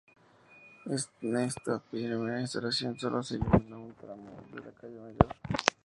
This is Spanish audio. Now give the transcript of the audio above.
En esta primera instalación, sólo se iluminó un tramo de la Calle Mayor.